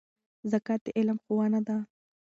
زکات د علم ښوونه ده.